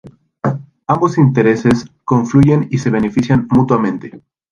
Ambos intereses confluyen y se benefician mutuamente.